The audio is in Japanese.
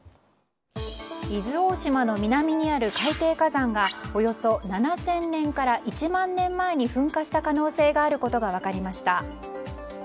伊豆大島の南にある海底火山がおよそ７０００年から１万年前に噴火した可能性があることが分かりました。